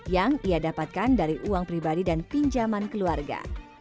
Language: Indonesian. yang ia dapatkan dari uang pribadi dan pinjaman keluarga